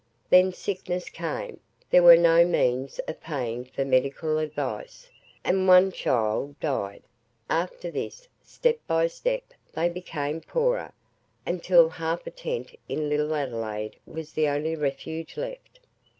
Then sickness came; there were no means of paying for medical advice, and one child died. After this, step by step, they became poorer, until half a tent in Little Adelaide was the only refuge left.